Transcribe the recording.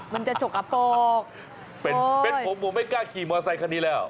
มันจะฉกกระโปรกเป็นผมผมไม่กล้าขี่มอเซคันนี้แล้ว